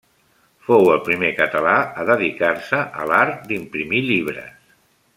Fou el primer català a dedicar-se a l'art d'imprimir llibres.